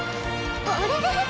あれれれ？